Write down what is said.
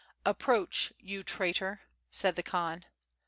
717 "Approach, you traitor !'' said the Khan.